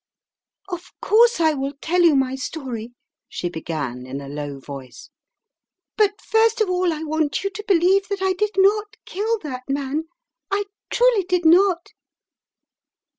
"Of course I will tell you my story," she began in a low voice, "but first of all I want you to believe that I did not kill that man. I truly did not!"